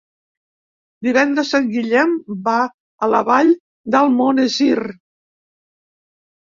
Divendres en Guillem va a la Vall d'Almonesir.